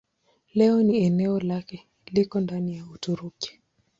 Leo hii eneo lake liko ndani ya Uturuki.